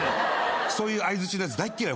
そういう相づちのやつ大っ嫌い